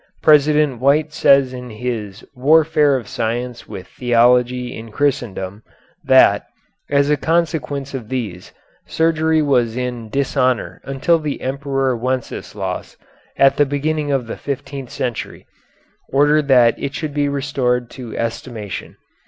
President White says in his "Warfare of Science with Theology in Christendom," that, as a consequence of these, surgery was in dishonor until the Emperor Wenceslaus, at the beginning of the fifteenth century, ordered that it should be restored to estimation.